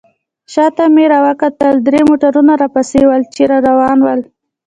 شاته مې راوکتل درې موټرونه راپسې ول، چې را روان ول.